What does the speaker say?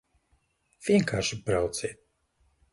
Vienkārši brauciet!